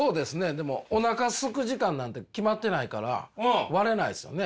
でもおなかすく時間なんて決まってないから割れないっすよね。